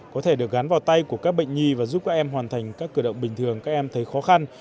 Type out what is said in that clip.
có thể được gắn vào tay của các bệnh nhi và giúp các em hoàn thành các cửa động bình thường các em thấy khó khăn